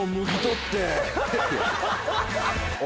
ハハハハ！